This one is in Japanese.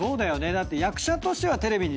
だって役者としてはテレビに出てる。